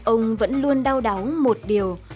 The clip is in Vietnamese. ông vẫn luôn đau đáu một điều